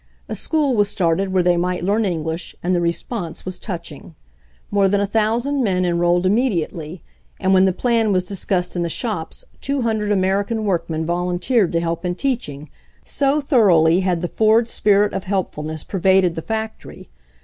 A school was started where they might learn English, and the response was touching. More than a thousand men en rolled immediately, and when the plan was dis cussed in the shops 200 American workmen vol unteered to help in teaching, so thoroughly had the Ford spirit of helpfulness pervaded the fac 158 HENRY FORD'S OWN STORY tory.